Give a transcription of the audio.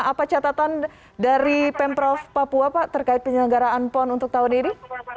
apa catatan dari pemprov papua pak terkait penyelenggaraan pon untuk tahun ini